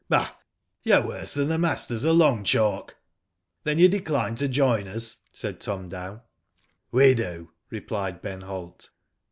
Bah ! You're worse than the masters a long chalk/' "Then you decline to join us?" said Tom Dow. '^We do/' replied Ben Holt.